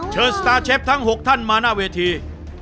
สตาร์เชฟทั้ง๖ท่านมาหน้าเวที